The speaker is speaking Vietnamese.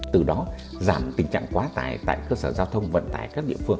từ đó giảm tình trạng quá tải tại cơ sở giao thông vận tải các địa phương